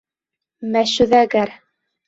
Мәшүҙә ғәр.